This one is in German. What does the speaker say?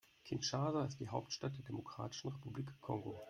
Kinshasa ist die Hauptstadt der Demokratischen Republik Kongo.